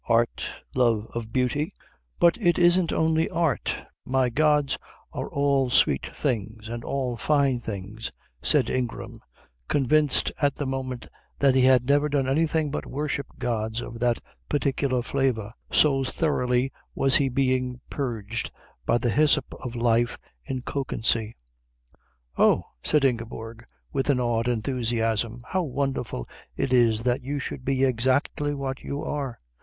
Art, love of beauty " "But it isn't only art. My gods are all sweet things and all fine things," said Ingram, convinced at the moment that he had never done anything but worship gods of that particular flavour, so thoroughly was he being purged by the hyssop of life in Kökensee. "Oh," said Ingeborg with an awed enthusiasm, "how wonderful it is that you should be exactly what you are!